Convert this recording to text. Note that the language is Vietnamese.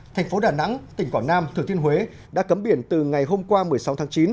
thành phố đà nẵng tỉnh quảng nam thừa thiên huế đã cấm biển từ ngày hôm qua một mươi sáu tháng chín